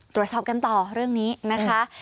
ตรวจสอบกันต่อเรื่องนี้นะคะ